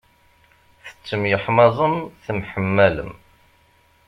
Tettemyeḥmaẓem temḥemmalem.